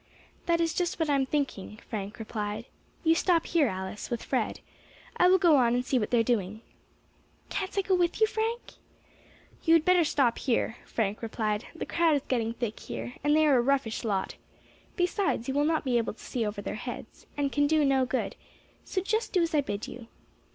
"That is just what I am thinking," Frank replied. "You stop here, Alice, with Fred. I will go on and see what they are doing." "Can't I go with you, Frank?" "You had better stop here," Frank replied; "the crowd is getting thick there, and they are a roughish lot. Besides, you will not be able to see over their heads, and can do no good; so just do as I bid you."